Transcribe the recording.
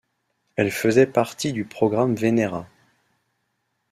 Elle faisait partie du programme Venera.